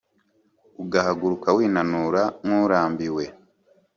ugahaguruka winanura nk’urambiwe